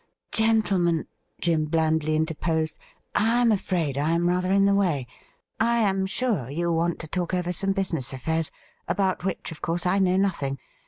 ' Gentlemen,' Jim blandly interposed, ' I am afraid I am rather in the way. I am sure you want to talk over some business affairs, about which, of course, I know nothing.